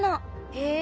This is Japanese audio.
へえ。